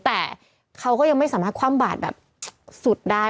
แต่เขาก็ยังไม่สามารถคว่ำบาดแบบสุดได้